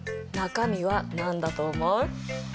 中身は何だと思う？